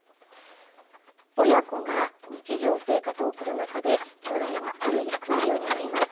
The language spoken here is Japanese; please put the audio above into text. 親子が日常生活を送る中できょうだいはある役割を担います。